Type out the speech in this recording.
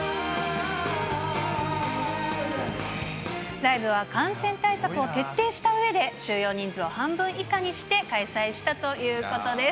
ライブは感染対策を徹底したうえで、収容人数を半分以下にして開催したということです。